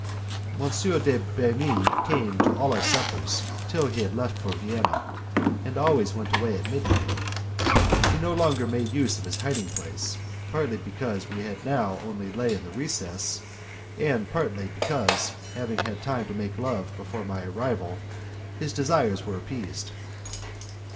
M. de Bemis came to all our suppers till he left for Vienna, and always went away at midnight. He no longer made use of his hiding place, partly because we now only lay in the recess, and partly because, having had time to make love before my arrival, his desires were appeased.